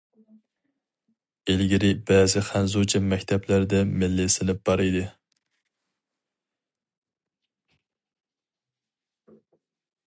ئىلگىرى بەزى خەنزۇچە مەكتەپلەردە مىللىي سىنىپ بار ئىدى.